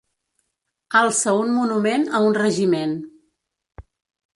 Alça un monument a un regiment.